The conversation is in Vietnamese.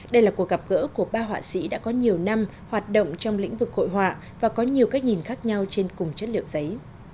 đây là cuộc gặp gỡ của ba họa sĩ đã có nhiều năm hoạt động trong lĩnh vực hội họa và có nhiều cách nhìn khác nhau trên cùng chất liệu giấy